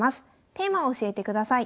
テーマを教えてください。